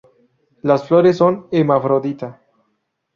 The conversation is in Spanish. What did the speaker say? Las flores son hermafrodita.